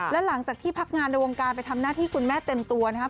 และหลังจากที่พักงานในวงการไปทำหน้าที่คุณแม่เต็มตัวนะครับ